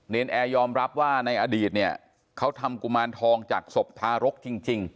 นแอร์ยอมรับว่าในอดีตเนี่ยเขาทำกุมารทองจากศพทารกจริง